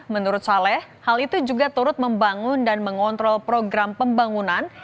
menurut saleh hal itu juga turut membangun dan mengontrol program pembangunan